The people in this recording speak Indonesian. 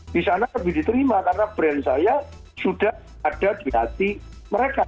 di sana lebih diterima karena brand saya sudah ada di hati mereka